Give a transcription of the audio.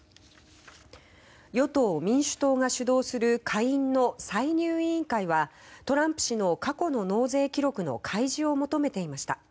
与党・民主党が主導する下院の歳入委員会はトランプ氏の過去の納税記録の開示を求めていました。